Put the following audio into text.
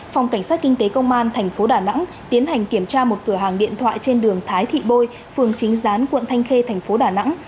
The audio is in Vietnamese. phòng cảnh sát kinh tế công an tp đà nẵng tiến hành kiểm tra một cửa hàng điện thoại trên đường thái thị bôi phường chính gián quận thanh khê tp đà nẵng